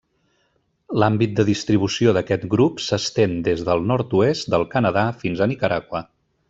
L'àmbit de distribució d'aquest grup s'estén des del nord-oest del Canadà fins a Nicaragua.